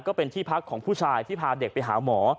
ก็เป็นที่พักของผู้ชายที่พาเด็กไปหาหมอ